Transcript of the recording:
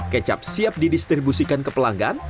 kecap siap didistribusikan ke pelanggan